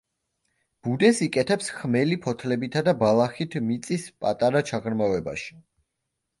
ბუდეს იკეთებს ხმელი ფოთლებითა და ბალახით მიწის პატარა ჩაღრმავებაში.